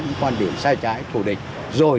các quan điểm sai trái thù địch rồi